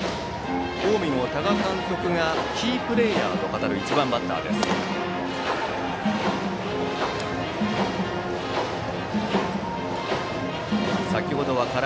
近江の多賀監督がキープレーヤーと語る１番バッター、津田。